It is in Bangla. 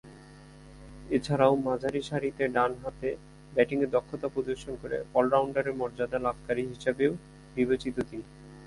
এছাড়াও মাঝারিসারিতে ডানহাতে ব্যাটিংয়ে দক্ষতা প্রদর্শন করে অল-রাউন্ডারের মর্যাদা লাভকারী হিসেবেও বিবেচিত তিনি।